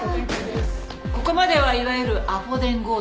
ここまではいわゆるアポ電強盗なわけだけど。